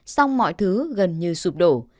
xong mọi thứ gần như sụp đổ